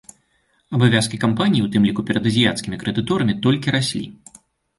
Абавязкі кампаніі, у тым ліку перад азіяцкімі крэдыторамі, толькі раслі.